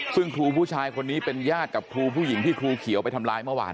ซึ่งครูผู้ชายคนนี้เป็นญาติกับครูผู้หญิงที่ครูเขียวไปทำร้ายเมื่อวาน